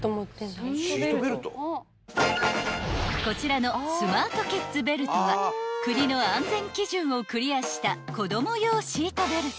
［こちらのスマートキッズベルトは国の安全基準をクリアした子供用シートベルト］